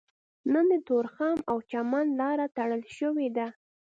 نن د تورخم او چمن لاره تړل شوې ده